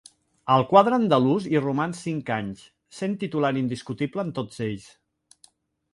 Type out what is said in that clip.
Al quadre andalús hi roman cinc anys, sent titular indiscutible en tots ells.